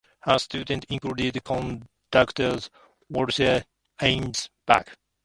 Her students included conductor Walter Eisenberg.